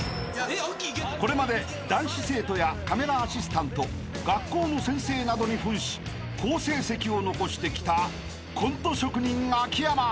［これまで男子生徒やカメラアシスタント学校の先生などに扮し好成績を残してきたコント職人秋山］